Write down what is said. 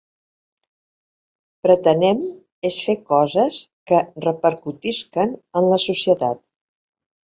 Pretenem és fer coses que repercutisquen en la societat.